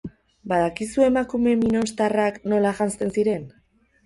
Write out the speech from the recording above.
Badakizu emakume minostarrak nola janzten ziren?